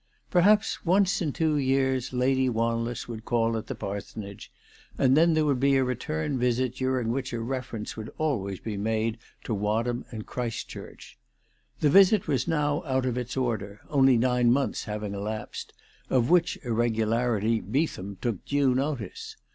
Perhaps once in two years Lady Wanless would call at the parsonage, and then there would be a return visit during which a reference would always be made to Wadham and Christchurch. The visit was now out of its order, only nine months having elapsed, of which irregularity Beetham took due notice.